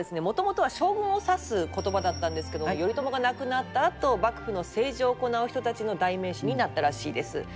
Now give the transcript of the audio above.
もともとは将軍を指す言葉だったんですけども頼朝が亡くなったあと幕府の政治を行う人たちの代名詞になったらしいです。